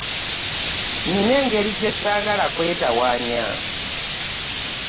nnina engeri gye saagala kwetawaanya.